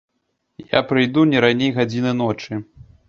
Я прыйду не раней гадзіны ночы.